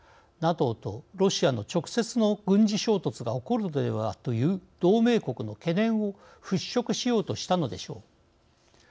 ＮＡＴＯとロシアの直接の軍事衝突が起こるのではという同盟国の懸念を払拭しようとしたのでしょう。